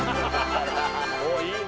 おっいいね。